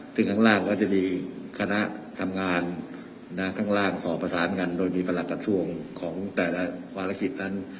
ซึ่งข้างล่างก็จะมีขณะทำงานสอบระทานกันโดยมีประหลากกลัดส่วนของแต่ละวาราชิตนั้น